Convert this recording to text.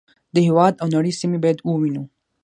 د هېواد او نړۍ سیمې باید ووینو.